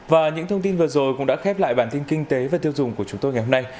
và những thông tin vừa rồi cũng đã khép lại bản tin kinh tế và tiêu dùng của chúng tôi ngày hôm nay